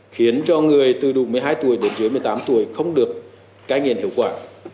khiến cho người từ đủ một mươi hai tuổi đến dưới một mươi tám tuổi không được cai nghiện hiệu quả